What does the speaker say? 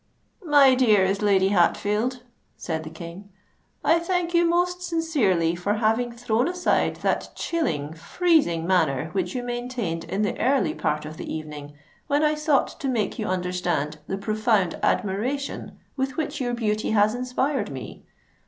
"My dearest Lady Hatfield," said the King, "I thank you most sincerely for having thrown aside that chilling—freezing manner which you maintained in the early part of the evening, when I sought to make you understand the profound admiration with which your beauty has inspired me.